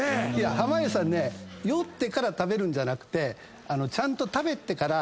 濱家さんね酔ってから食べるんじゃなくて。